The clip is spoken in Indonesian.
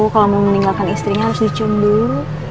kalo mau meninggalkan istrinya harus dicium dulu